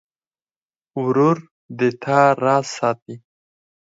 ورور د تا راز ساتي.